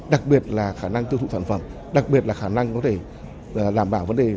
đặc biệt là khả năng tiêu thụ sản phẩm